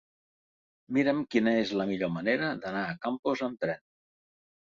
Mira'm quina és la millor manera d'anar a Campos amb tren.